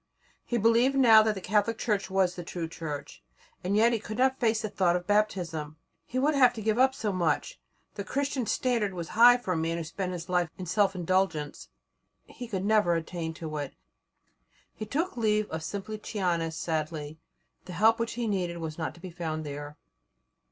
He believed now that the Catholic Church was the true Church, and yet he could not face the thought of Baptism. He would have to give up so much. The Christian standard was high for a man who had spent his life in self indulgence. He could never attain to it. He took leave of Simplicianus sadly; the help which he needed was not to be found there.